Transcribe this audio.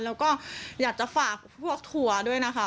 แล้วก็อยากจะฝากพวกทัวร์ด้วยนะคะ